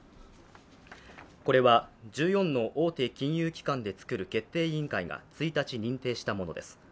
これは１４の大手金融機関で作る決定委員会が１日、認定したものです。